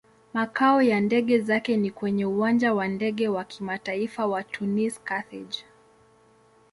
Makao ya ndege zake ni kwenye Uwanja wa Ndege wa Kimataifa wa Tunis-Carthage.